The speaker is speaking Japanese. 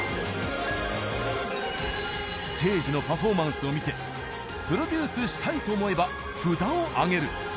ステージのパフォーマンスを見てプロデュースしたいと思えば札を上げる。